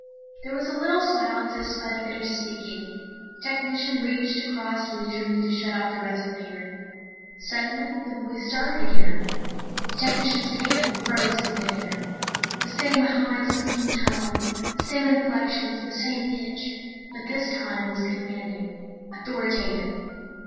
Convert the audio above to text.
There was a little silence as Spud finished speaking. The technician reached across leisurely to shut off the resonator. Suddenly the voice started again. The technician's hand froze in mid air. The same high, squeaking tone, the same inflections, the same pitch. But this time it was commanding, authoritative.